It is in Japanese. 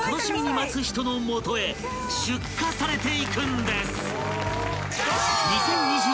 ［出荷されていくんです］